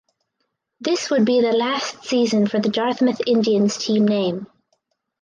This would be the last season for the "Dartmouth Indians" team name.